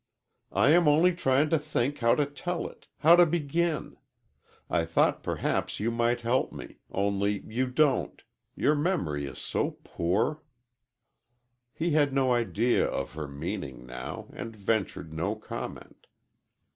"I am only trying to think how to tell it how to begin. I thought perhaps you might help me only you don't your memory is so poor." He had no idea of her meaning now, and ventured no comment.